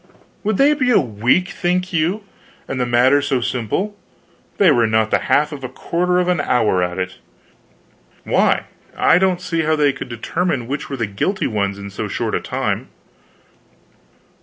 "Would they be a week, think you and the matter so simple? They were not the half of a quarter of an hour at it." "Why, I don't see how they could determine which were the guilty ones in so short a time."